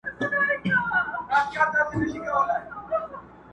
نه مي پل سي څوک په لاره کي میندلای!